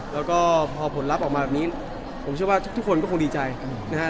แล้วก็พอผลลัพธ์ออกมาแบบนี้ผมเชื่อว่าทุกคนก็คงดีใจนะครับ